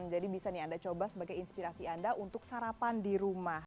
jadi bisa nih anda coba sebagai inspirasi anda untuk sarapan di rumah